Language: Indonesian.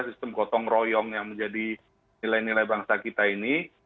sistem gotong royong yang menjadi nilai nilai bangsa kita ini